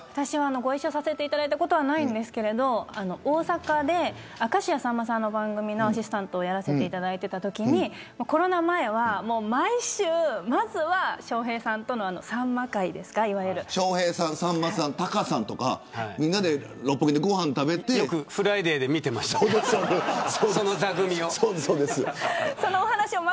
ご一緒させていただいたことはないんですけど大阪で明石家さんまさんの番組のアシスタントをやらせていただいていたときにコロナ前は毎週、笑瓶さんとのさんま会ですか笑瓶さん、さんまさんタカさんとかよくフライデーで見ていました、その座組を。